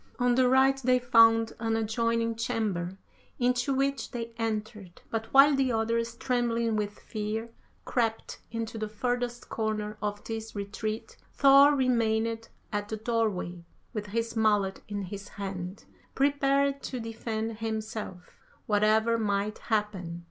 On the right they found an adjoining chamber, into which they entered, but while the others, trembling with fear, crept into the furthest corner of this retreat, Thor remained at the doorway with his mallet in his hand, prepared to defend himself, whatever might happen.